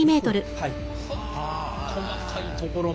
はあ細かいところまで。